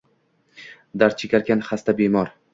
Dard chekarkan xasta, bemor